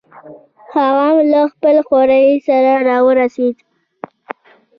هغه هم له خپل خوریي سره راورسېد.